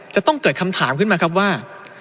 จะต้องเกิดคำถามขึ้นมาครับว่า